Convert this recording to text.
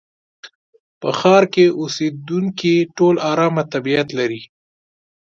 په ښار کې اوسېدونکي ټول ارامه طبيعت لري.